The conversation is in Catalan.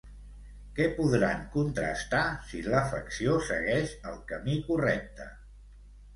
Què podran contrastar, si l'afecció segueix el camí correcte?